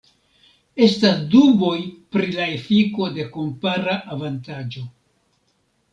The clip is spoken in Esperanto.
Estas duboj pri la efiko de kompara avantaĝo.